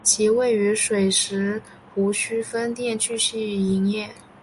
其位于上水石湖墟分店继续营业。